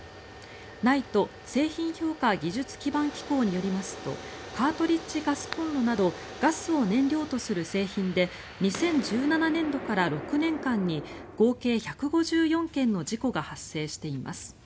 ＮＩＴＥ・製品評価技術基盤機構によりますとカートリッジガスコンロなどガスを燃料とする製品で２０１７年度から６年間に合計１５４件の事故が発生しています。